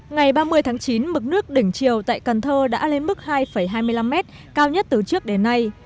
ngày ba mươi tháng chín mực nước đỉnh triều tại cần thơ đã lên mức hai hai mươi năm mét cao nhất từ trước đến nay